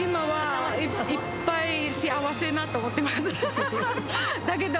はい。